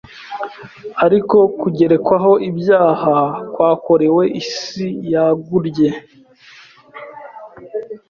Ariko kugerekwaho ibyaha kwakorewe isi yagurye